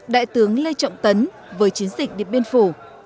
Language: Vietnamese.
đại tướng lê trọng tấn với chiến dịch điện biên phủ